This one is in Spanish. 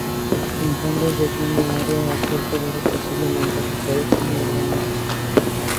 En fondos de fina arena o suelos duros, posiblemente asociados con gorgonias.